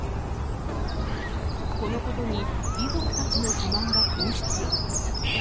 このことに遺族たちの不満が噴出。